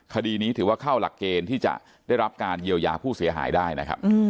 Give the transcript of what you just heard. คดีนี้ถือว่าเข้าหลักเกณฑ์ที่จะได้รับการเยียวยาผู้เสียหายได้นะครับ